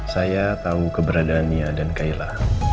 saya tahu keberadaannya dan kayla